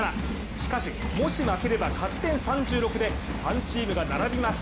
しかし、もし負ければ勝ち点３６で３チームが並びます。